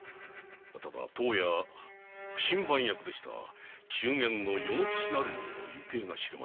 ただ当夜不寝番役の中間与之吉なる者の行方が知れませぬ。